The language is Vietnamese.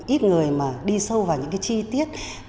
ít người mà đi sâu vào những cái chi tiết